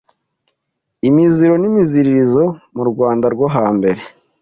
imiziro n’imiziririzo mu Rwanda rwo hambere